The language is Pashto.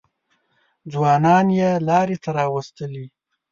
ځوانان یې لارې ته راوستلي.